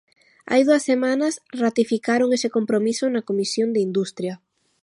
Hai dúas semanas ratificaron ese compromiso na Comisión de Industria.